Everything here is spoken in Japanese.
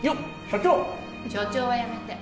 所長はやめて。